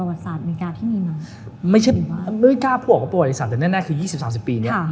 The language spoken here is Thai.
อันนี้คือสูงที่สุดในประวัติศาสตร์อเมริกาที่มีมั้ง